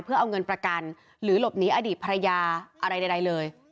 เพื่อเอาเงินประกันหรือหลบหนีอดีตภรรยาอะไรใดเลย